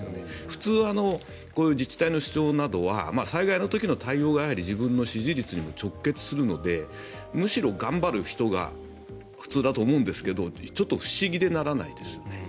普通、自治体の首長などは災害の時の対応が自分の支持率にも直結するのでむしろ頑張る人が普通だと思うんですがちょっと不思議でならないですよね。